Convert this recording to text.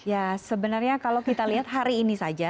ya sebenarnya kalau kita lihat hari ini saja